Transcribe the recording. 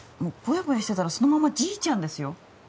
ボヤボヤしてたらそのままじいちゃんですよ